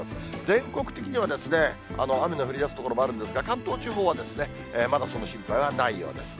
全国的には、雨の降りだす所もあるんですが、関東地方はまだその心配はないようです。